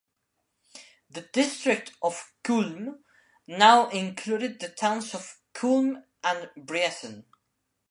The district of Kulm now included the towns of Kulm and Briesen.